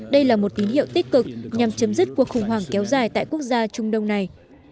đây là một tín hiệu tích cực nhằm chấm dứt cuộc khủng hoảng kéo dài tại quốc gia trung đông này